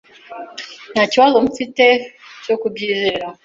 Nta kibazo mfite cyo kubyizera.